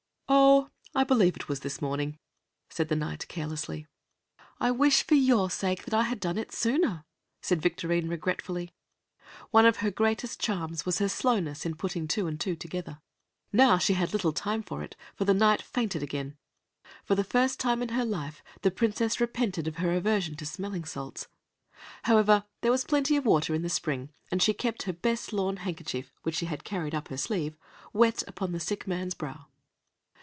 "Oh, I believe it was this morning," said the Knight carelessly. "I wish, for your sake, I had done it sooner," said Victorine regretfully. One of her greatest charms was her slowness in putting two and two together. Now she had little time for it, for the Knight fainted again. For the first time in her life, the Princess repented of her aversion to smelling salts. However, there was plenty of water in the spring, and she kept her best lawn handkerchief, which she had carried up her sleeve, wet upon the sick man's brow.